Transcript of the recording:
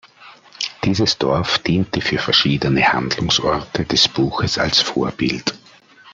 Dieses Dorf diente für verschiedene Handlungsorte des Buches als Vorbild.